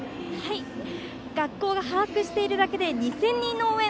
学校が把握しているだけで２０００人の応援。